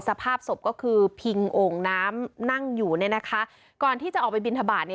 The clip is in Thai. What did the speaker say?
สภาพศพก็คือพิงโอ่งน้ำนั่งอยู่เนี่ยนะคะก่อนที่จะออกไปบินทบาทเนี่ย